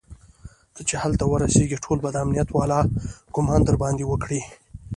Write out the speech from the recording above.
ته چې هلته ورسېږي ټول به د امنيت والا ګومان درباندې وکړي.